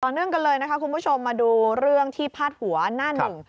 เนื่องกันเลยนะคะคุณผู้ชมมาดูเรื่องที่พาดหัวหน้าหนึ่ง